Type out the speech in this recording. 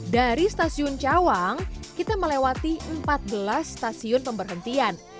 dari stasiun cawang kita melewati empat belas stasiun pemberhentian